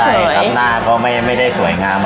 ใช่ครับหน้าก็ไม่ได้สวยงาม